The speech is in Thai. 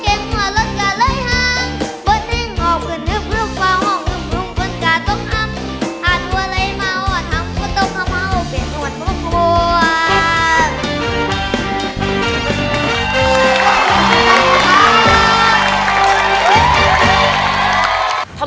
กะต้องหัวไล่มาหอบเปรียกอ่อนพวกหัว